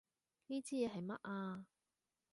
呢支嘢係乜啊？